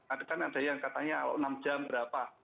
ada kan yang katanya enam jam berapa